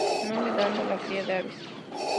No olvidando la cría de Aves.